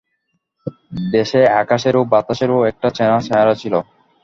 দেশে আকাশের বাতাসেরও একটা চেনা চেহারা ছিল।